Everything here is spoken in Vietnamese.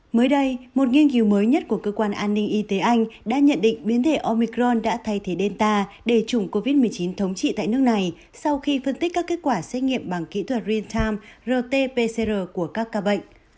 mới đây một nghiên cứu mới nhất của cơ quan an ninh y tế anh đã nhận định biến thể omicron đã thay thế delta để chủng covid một mươi chín thống trị tại nước này sau khi phân tích các kết quả xét nghiệm bằng kỹ thuật real time rt pcr của các ca bệnh